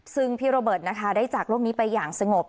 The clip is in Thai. สิ่งว่าพีศโลเบิร์ตได้จากโลกนี้ไปอย่างสงบ